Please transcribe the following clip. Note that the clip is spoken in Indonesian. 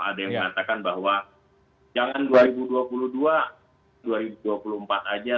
ada yang mengatakan bahwa jangan dua ribu dua puluh dua dua ribu dua puluh empat aja